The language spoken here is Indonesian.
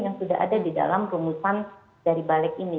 yang sudah ada di dalam rumusan dari balik ini